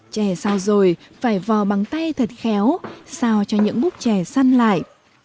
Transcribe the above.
trè sau rồi phải vò bằng tay thật khéo sao cho những bút trè săn lại